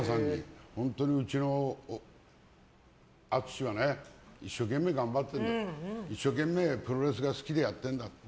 本当にうちの厚は一生懸命頑張ってて一生懸命プロレスが好きでやってるんだって。